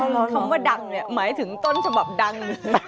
คำว่าดังเนี่ยหมายถึงต้นฉบับดัง